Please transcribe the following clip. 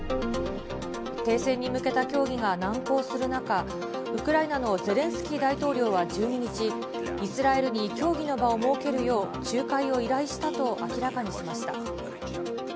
停戦に向けた協議が難航する中、ウクライナのゼレンスキー大統領は１２日、イスラエルに協議の場を設けるよう、仲介を依頼したと明らかにしました。